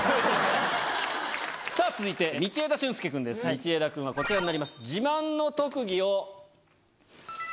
さぁ続いて道枝駿佑くんです道枝くんはこちらになります。